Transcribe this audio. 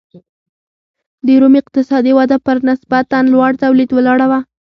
د روم اقتصادي وده پر نسبتا لوړ تولید ولاړه وه